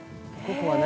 ここはね